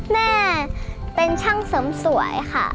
แม่เป็นช่างเสริมสวยค่ะ